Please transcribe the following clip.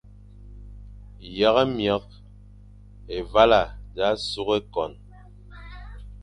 Yekh myekh, Évala sa sukh ékon,